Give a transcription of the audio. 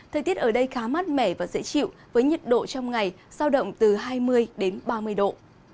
thời tiết ở đây khá mát mẻ và dễ chịu với nhiệt độ trong ngày sao động từ hai mươi đến ba mươi độ